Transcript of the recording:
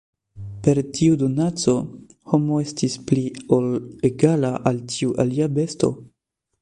Per tiu donaco, homo estis pli ol egala al ĉiu alia besto.